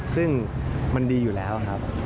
ซึ่งมันดีอยู่แล้วครับ